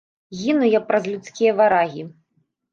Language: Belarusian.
Гіну я праз людскія варагі.